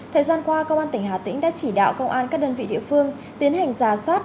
thời gian qua công an tỉnh hà tĩnh đã chỉ đạo công an các đơn vị địa phương tiến hành giả soát